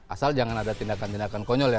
asal jangan ada tindakan tindakan konyol ya